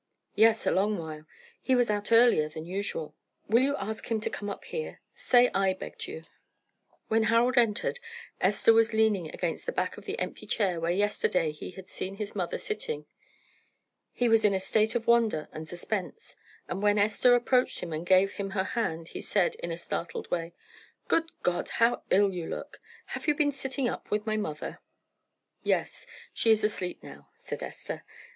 "Yes, a long while; he was out earlier than usual." "Will you ask him to come up here? Say I begged you." When Harold entered Esther was leaning against the back of the empty chair where yesterday he had seen his mother sitting. He was in a state of wonder and suspense, and when Esther approached him and gave him her hand, he said, in a startled way "Good God! how ill you look! Have you been sitting up with my mother?" "Yes. She is asleep now," said Esther.